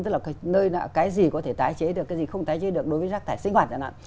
tức là cái gì có thể tái chế được cái gì không tái chế được đối với rác tải sinh hoạt